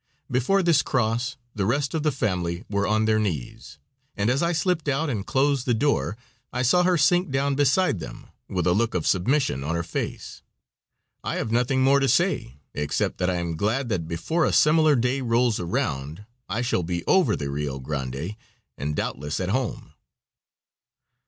Before this cross the rest of the family were on their knees, and as I slipped out and closed the door I saw her sink down beside them, with a look of submission on her face. I have nothing more to say, except that I am glad that before a similar day rolls around I shall be over the Rio Grande and doubtless at home.